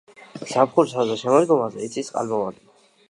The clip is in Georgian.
ზაფხულსა და შემოდგომაზე იცის წყალმოვარდნა.